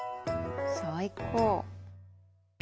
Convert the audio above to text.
最高。